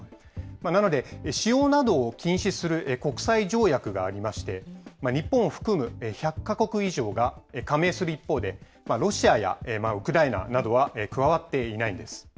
なので、使用などを禁止する国際条約がありまして、日本を含む１００か国以上が加盟する一方で、ロシアやウクライナなどは加わっていないんです。